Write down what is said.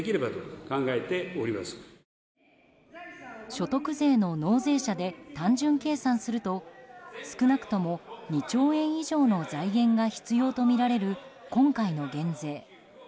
所得税の納税者で単純計算すると少なくとも２兆円以上の財源が必要とみられる今回の減税。